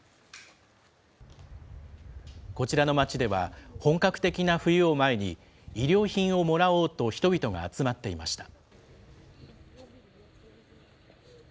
こちらの街では、本格的な冬を前に、衣料品をもらおうと人々が集まっていました。